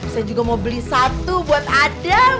saya juga mau beli satu buat adem